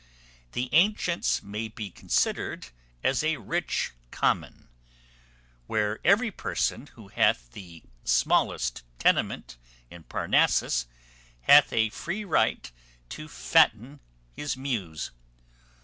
The antients may be considered as a rich common, where every person who hath the smallest tenement in Parnassus hath a free right to fatten his muse.